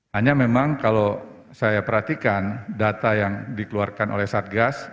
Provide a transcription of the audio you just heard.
hanya memang kalau saya perhatikan data yang dikeluarkan oleh satgas